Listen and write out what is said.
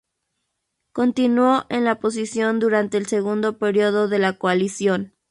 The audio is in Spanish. Continuó en la posición durante el segundo período de la coalición.